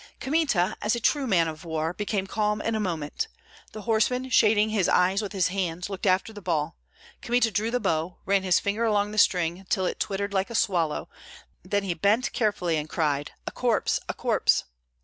Kmita, as a true man of war, became calm in a moment. The horseman, shading his eyes with his hands, looked after the ball; Kmita drew the bow, ran his finger along the string till it twittered like a swallow, then he bent carefully and cried, "A corpse, a corpse!"